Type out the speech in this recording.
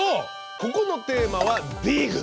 ここのテーマは「ＤＩＧ」。